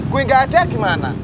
gue gak ada gimana